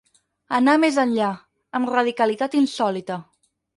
Anar més enllà, amb radicalitat insòlita.